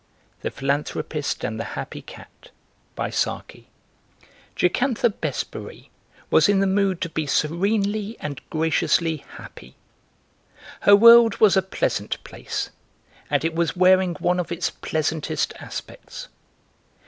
THE PHILANTHROPIST AND THE HAPPY CAT Jocantha Bessbury was in the mood to be serenely and graciously happy. Her world was a pleasant place, and it was wearing one of its pleasantest aspects.